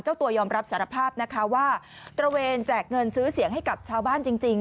ตัวยอมรับสารภาพนะคะว่าตระเวนแจกเงินซื้อเสียงให้กับชาวบ้านจริง